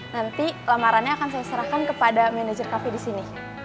nanti lamarannya akan saya serahkan kepada manajer kafe di sini